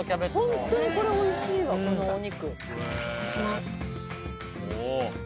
本当に、これ、おいしいわ、このお肉。